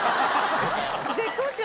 絶好調！